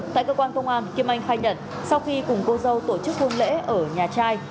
tại cơ quan công an kim anh khai nhận sau khi cùng cô dâu tổ chức hôn lễ ở nhà trai